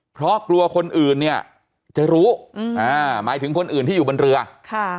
เพราะกลัวคนอื่นเนี่ยจะรู้อืมอ่าหมายถึงคนอื่นที่อยู่บนเรือค่ะ